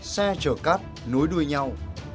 xe chở cát nối đuôi nhau